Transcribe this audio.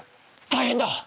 大変だ！